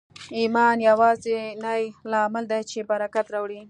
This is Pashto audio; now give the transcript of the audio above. ایمان یوازېنی لامل دی چې برکت راوړي